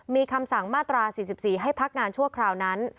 มีคำสั่งมาตรา๔๔ให้พักงานชั่วคราวนั้น